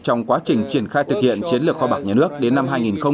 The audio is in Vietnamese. trong quá trình triển khai thực hiện chiến lược kho bạc nhà nước đến năm hai nghìn hai mươi